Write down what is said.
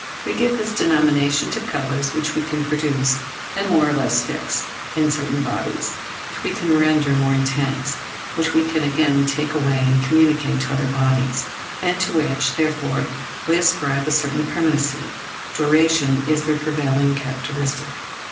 We give this denomination to colours which we can produce, and more or less fix, in certain bodies; which we can render more intense, which we can again take away and communicate to other bodies, and to which, therefore, we ascribe a certain permanency: duration is their prevailing characteristic.